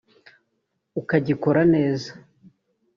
ukagikora neza